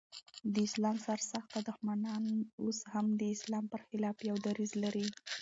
د اسلام سر سخته دښمنان اوس هم د اسلام پر خلاف يو دريځ لري.